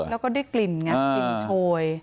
แล้วก็ได้กลิ่นไงกลิ่นโชย